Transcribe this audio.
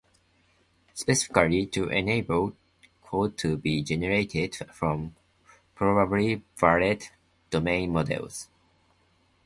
Specifically to enable code to be generated from provably valid domain models.